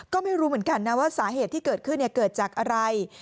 ก็ไม่รู้เหมือนกันนะว่าสาเหตุที่เกิดขึ้นเกิดจากอะไร